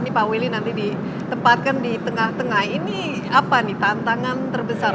ini pak willy nanti ditempatkan di tengah tengah ini apa nih tantangan terbesar